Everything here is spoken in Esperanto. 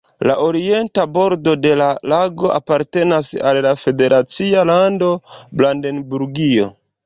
La orienta bordo de la lago apartenas al la federacia lando Brandenburgio.